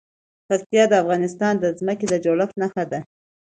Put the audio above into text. پکتیا د افغانستان د ځمکې د جوړښت نښه ده.